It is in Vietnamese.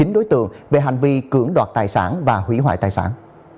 chín đối tượng về hành vi cưỡng đoạt tài sản và hủy hoại tài sản